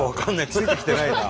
ついてきてないなあ。